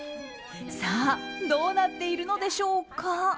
さあどうなっているのでしょうか。